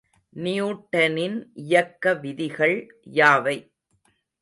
நியூட்டனின் இயக்க விதிகள் யாவை?